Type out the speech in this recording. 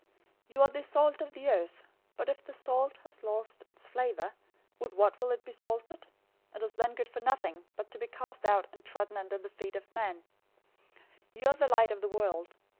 005:013 "You are the salt of the earth, but if the salt has lost its flavor, with what will it be salted? It is then good for nothing, but to be cast out and trodden under the feet of men. 005:014 You are the light of the world.